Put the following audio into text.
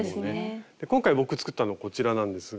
今回僕作ったのこちらなんですが。